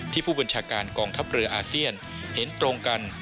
ผู้บัญชาการกองทัพเรืออาเซียนเห็นตรงกัน